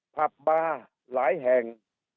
ผับบาร์หลายแห่ง